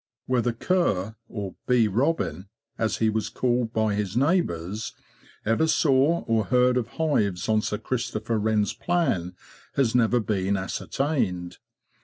Whether Kerr—or '' Bee Robin,'"' as he was called by his neighbours—ever saw or heard of hives on Sir Christopher Wren's plan has never been ascertained.